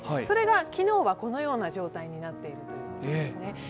それが昨日はこのような状態になっているということですね。